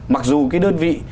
mặc dù cái đơn vị